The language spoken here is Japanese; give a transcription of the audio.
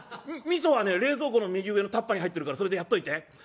味噌はね冷蔵庫の右上のタッパーに入ってるからそれでやっといて」。